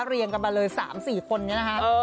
เรียงกันมาเลย๓๔คนนี้นะคะ